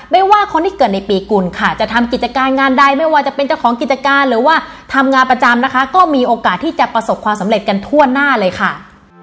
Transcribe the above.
ไม่ว่าคนที่เกิดในปีกุลค่ะจะทำกิจการงานใดไม่ว่าจะเป็นเจ้าของกิจการหรือว่าทำงานประจำนะคะก็มีโอกาสที่จะประสบความสำเร็จกันทั่วหน้าเลยค่ะ